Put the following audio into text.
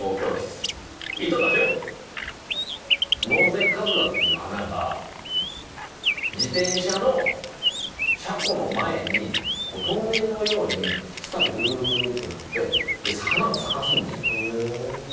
ノウゼンカズラっていう花が自転車の車庫の前にトンネルのようにつたでグルグルグルッてなって花を咲かすんですよ。